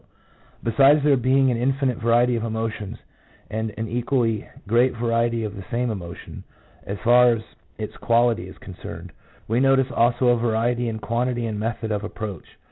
There is commonly a feeling 2 of depression 1 Besides there being an infinite variety of emotions, and an equally great variety of the same emotion, as far as its quality is concerned, we notice also a variety in quantity and method of approach.